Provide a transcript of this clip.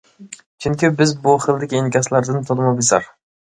چۈنكى بىز بۇ خىلدىكى ئىنكاسلاردىن تولىمۇ بىزار.